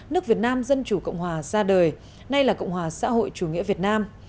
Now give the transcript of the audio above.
nước việt nam dân chủ cộng hòa ra đời nay là cộng hòa xã hội chủ nghĩa việt nam